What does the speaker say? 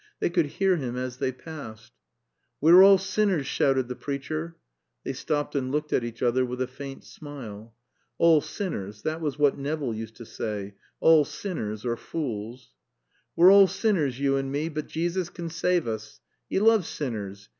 They could hear him as they passed. "We're all sinners," shouted the preacher. (They stopped and looked at each other with a faint smile. All sinners that was what Nevill used to say, all sinners or fools.) "We're all sinners, you and me, but Jesus can save us. 'E loves sinners.